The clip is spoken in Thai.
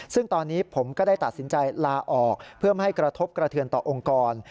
ซึ่งตอนนี้ผมก็ได้ตัดสินใจลาออกเพื่อไม่ให้กระทบกระเทือนต่อองค์กร